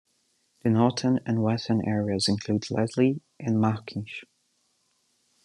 The northern and western areas include Leslie, and Markinch.